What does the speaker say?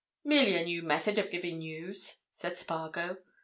"Merely a new method of giving news," said Spargo.